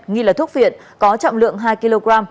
nghi là thuốc phiện có trọng lượng hai kg